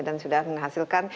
dan sudah menghasilkan